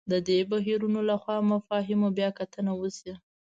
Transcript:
د دغو بهیرونو له خوا مفاهیمو بیا کتنه وشي.